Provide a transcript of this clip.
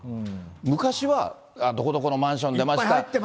昔はどこどこのマンション出ました。